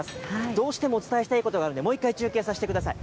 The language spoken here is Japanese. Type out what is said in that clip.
どうしてもお伝えしたいことがあるんで、もう１回中継させてください。